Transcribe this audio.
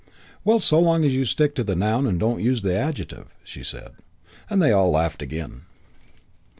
"Well, so long as you stick to the noun and don't use the adjective," she said; and they all laughed again.